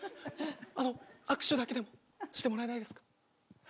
あの握手だけでもしてもらえないですか？